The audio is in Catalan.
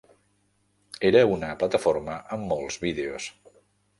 Era una plataforma amb molts vídeos.